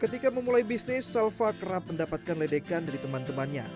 ketika memulai bisnis salva kerap mendapatkan ledekan dari teman temannya